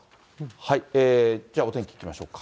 じゃあ、お天気いきましょうか。